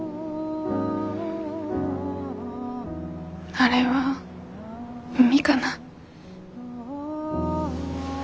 あれは海かな？